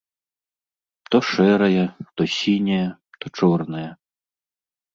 То шэрая, то сіняя, то чорная.